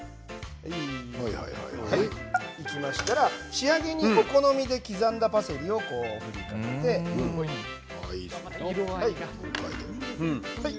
仕上げにお好みで刻んだパセリを載せてください。